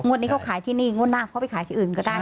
งบนี้ก็ขายที่นี่งบน้ำเขาต้องขายที่อื่นก็ได้ใช่